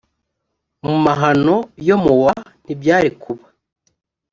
mu mahano yo mu wa ntibyari kuba